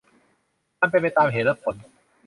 มันเป็นไปตามเหตุและผล